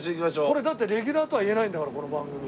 これだってレギュラーとは言えないんだからこの番組。